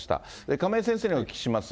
亀井先生にお聞きします。